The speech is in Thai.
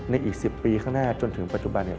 อีก๑๐ปีข้างหน้าจนถึงปัจจุบันเนี่ย